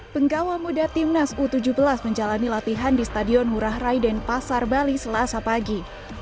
penggawa muda timnas u tujuh belas menjalani latihan di stadion ngurah rai dan pasar bali selasa pagi